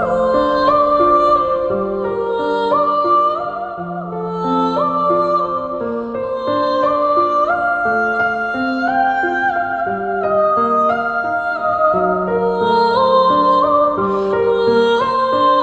คำสอนต้องอยู่ชั่วโศกเปลี่ยนโลกของบารญะชีวิต